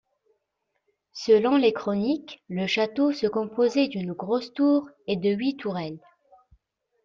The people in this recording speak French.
Selon les chroniques, le château se composait d'une grosse tour et de huit tourelles.